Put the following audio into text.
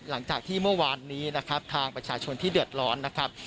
หลังจากที่เมื่อวานนี้นะครับทางประชาชนที่เดือดร้อนนะครับ